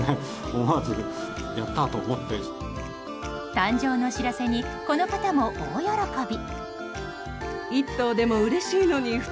誕生の知らせにこの方も大喜び。